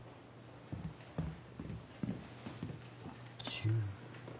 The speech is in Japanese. １０。